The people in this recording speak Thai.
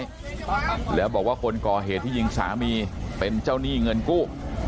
ด้วยแล้วบอกว่าคนก่อเหตุที่ยิงสามีเป็นเจ้าหนี้เงินกู้